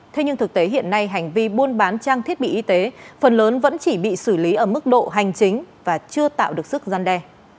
thế nhưng thực tế hiện nay hành vi buôn bán trang thiết bị y tế phần lớn vẫn chỉ bị xử lý ở mức độ hành chính và chưa tạo được sức gian đe